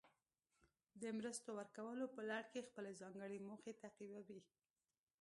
د مرستو ورکولو په لړ کې خپلې ځانګړې موخې تعقیبوي.